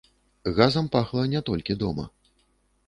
Газам пахла не толькі дома.